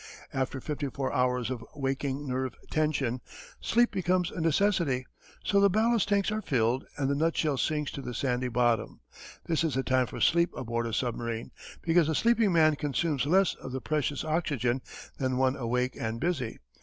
After fifty four hours of waking nerve tension, sleep becomes a necessity. So the ballast tanks are filled and the nutshell sinks to the sandy bottom. This is the time for sleep aboard a submarine, because a sleeping man consumes less of the precious oxygen than one awake and busy.